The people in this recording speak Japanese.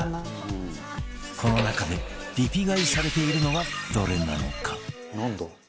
この中でリピ買いされているのはどれなのか？